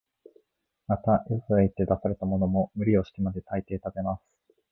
また、よそへ行って出されたものも、無理をしてまで、大抵食べます